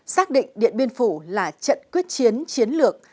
xác định điện biên phủ là trận quyết chiến chiến lược